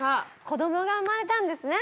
こどもが生まれたんですね。